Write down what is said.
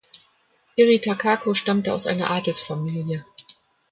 Irie Takako stammte aus einer Adelsfamilie.